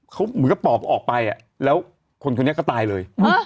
เขาเหมือนกับปอบออกไปแล้วคนคนนี้ก็ตายเลย